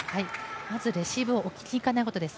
まずレシーブを置きにいかないところです。